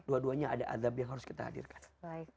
dua duanya ada adab yang harus kita hadirkan